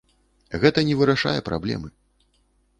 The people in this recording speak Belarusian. Гэта не вырашае праблемы.